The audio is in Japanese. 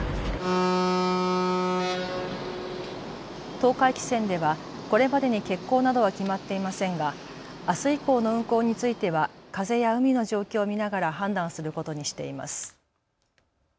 東海汽船ではこれまでに欠航などは決まっていませんがあす以降の運航については風や海の状況を見ながら判断することにしています。